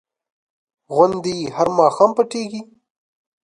غوندې هر ماښام پټېږي.